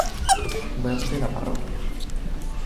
Web de la parroquia